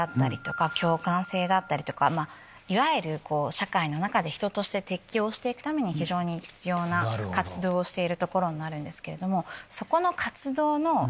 いわゆる社会の中で人として適応して行くために非常に必要な活動をしている所になるんですけれども。